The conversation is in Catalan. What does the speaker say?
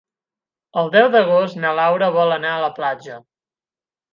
El deu d'agost na Laura vol anar a la platja.